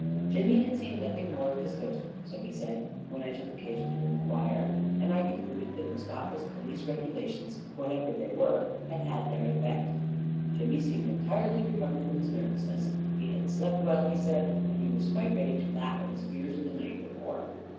•• Jimmy had seen nothing more of his ghost, so he said, when I took occasion to inquire, and I con cluded that Mustafa's police regulations, whatever they were, had had their effect. Jimmy seemed en tirely recovered from his nervousness; he had slept well, he said, and he was quite ready to laugh at his fears of the night before.